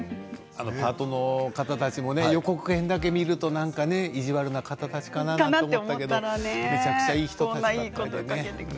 パートの方たちも予告編だけ見ると意地悪な方たちかなって思ったけどめちゃくちゃいい人たちだったね。